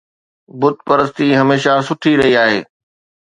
بت پرستي هميشه سٺي رهي آهي